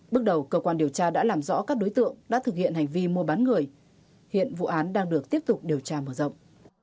bước đầu cơ quan điều tra đã làm rõ các đối tượng đã thực hiện hành vi mua bán người hiện vụ án đang được tiếp tục điều tra mở rộng